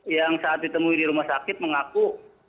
yang saat ditemui di rumah sakit mengaku